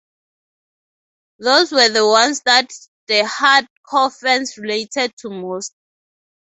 Those were the ones that the hard-core fans related to most.